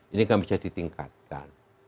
ini enggak bisa ditingkatkan